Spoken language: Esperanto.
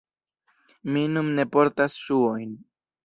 Mi nun ne portas ŝuojn